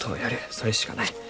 それしかない。